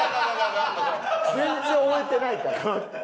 全然追えてないから。